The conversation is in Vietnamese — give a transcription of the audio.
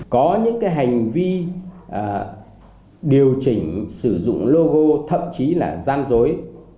có những hành vi điều chỉnh sử dụng logo thậm chí là gian dối